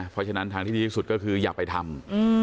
เพราะฉะนั้นทางที่ดีที่สุดก็คืออย่าไปทำ